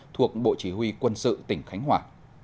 thuộc bộ chỉ huy quân sự tỉnh khánh hòa